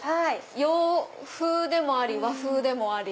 洋風でもあり和風でもあり。